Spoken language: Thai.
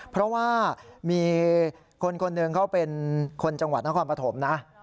เพราะว่ามีคนคนหนึ่งเขาเป็นคนจังหวัดนครปฐมนะ